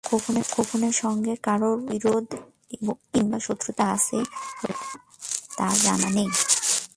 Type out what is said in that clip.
খোকনের সঙ্গে কারও বিরোধ কিংবা শত্রুতা আছে বলে তাঁর জানা নেই।